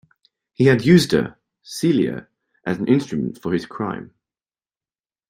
He had used her, Celia, as an instrument for his crime.